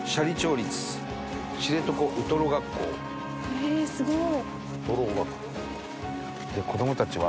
へえすごい！